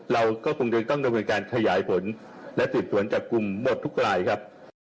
เราก็คงต้องการขยายผลและสินส่วนจากกลุ่มหมดทุกรายครับ